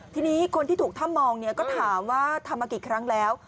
ทีนี้คนที่ถูกถ้ำมองเนี่ยก็ถามว่าทำมากี่ครั้งแล้ว